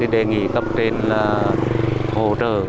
đề nghị cấp tên là hỗ trợ